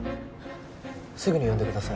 すぐに呼んでください